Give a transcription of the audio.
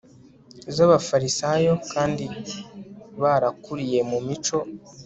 z'abafarisayo, kandi barakuriye mu mico